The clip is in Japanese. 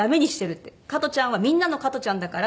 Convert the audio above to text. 「加トちゃんはみんなの加トちゃんだから」。